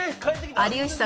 有吉さん